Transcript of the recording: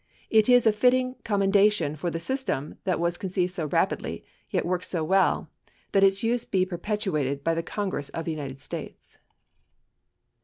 It is a fitting commendation for the system that was conceived so rapidly, yet worked so well, that its use be perpetuated by the Congress of the United States.